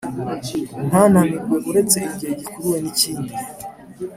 ntanarimwe uretse igihe gikuruwe n’ikindi